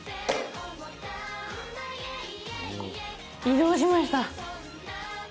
移動しました。